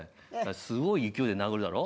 すごい勢いで殴るだろ？